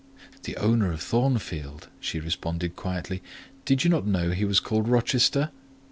"The owner of Thornfield," she responded quietly. "Did you not know he was called Rochester?"